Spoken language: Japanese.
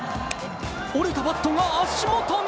折れたバットが足元に。